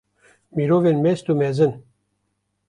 Mirovên mest û mezin!